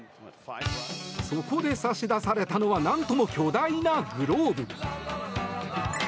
そこで差し出されたのは何とも巨大なグローブ。